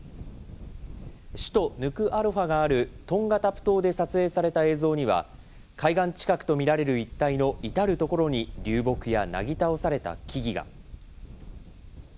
首都ヌクアロファがあるトンガタプ島で撮影された映像には、海岸近くと見られる一帯の至る所に流木やなぎ倒された木々が。